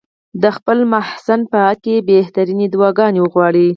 د خپل محسن په حق کې بهترینې دعاګانې وغواړي.